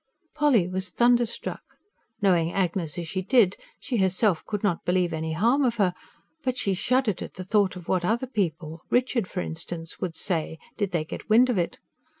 Polly was thunder struck: knowing Agnes as she did, she herself could not believe any harm of her; but she shuddered at the thought of what other people Richard, for instance would say, did they get wind of it.